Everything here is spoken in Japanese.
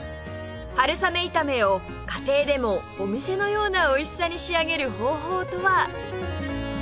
春雨炒めを家庭でもお店のようなおいしさに仕上げる方法とは？